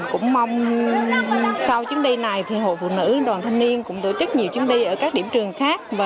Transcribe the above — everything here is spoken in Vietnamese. cũng mong sau chuyến đi này thì hội phụ nữ đoàn thanh niên cũng tổ chức nhiều chuyến đi ở các điểm trường khác